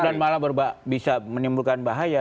dan malah bisa menimbulkan bahaya